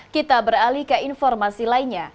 kita beralih ke informasi lainnya